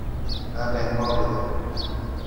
Em ê ba bidin.